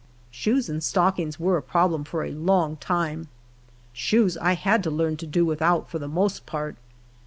Shoes and stockings were a problem for a long time Shoes I had to learn to do without for the most part.